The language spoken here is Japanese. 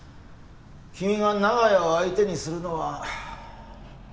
君が長屋を相手にするのは無理だ。